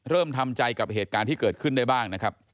เริ่มทำใจกับเหตุการณ์ที่เกิดขึ้นได้บ้างนะครับ